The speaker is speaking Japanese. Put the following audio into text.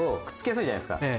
くっつきやすいじゃないすか。